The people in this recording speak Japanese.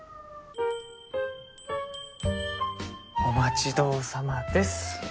お待ちどおさまです。